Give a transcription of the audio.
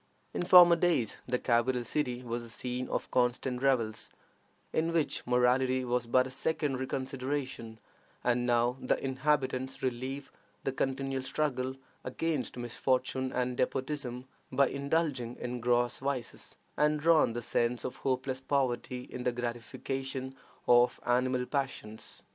In former days the capital city was the scene of constant revels, in which morality was but a secondary consideration, and now the inhabitants relieve the continual struggle against misfortune and despotism by indulging in gross vices, and drown the sense of hopeless poverty in the gratification of animal passions.